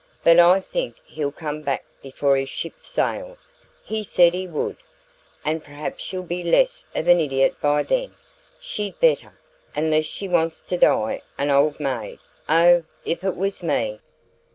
But I think he'll come back before his ship sails he said he would and perhaps she'll be less of an idiot by then; she'd better, unless she wants to die an old maid. Oh, if it was ME